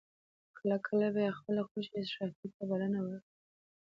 کله کله به یې خپلې خوښې اشرافي ته بلنه ورکړه.